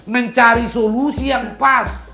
mencari solusi yang pas